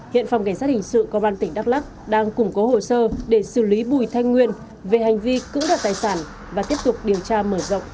hiện phòng cảnh sát hình sự công an tỉnh đắk lắc đang củng cố hồ sơ để xử lý bùi thanh nguyên về hành vi cữ đặt tài sản và tiếp tục điều tra mở rộng theo quy định